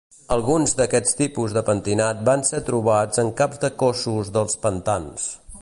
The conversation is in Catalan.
Alguns d'aquests tipus de pentinat varen ser trobats en caps de cossos dels pantans.